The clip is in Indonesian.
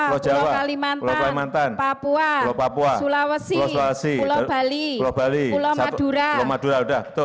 pulau kalimantan papua sulawesi pulau bali pulau madura